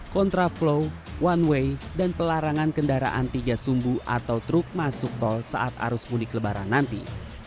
kontraflow one way dan pelarangan kendaraan tiga sumbu atau truk masuk tol saat arus mudik lebaran nanti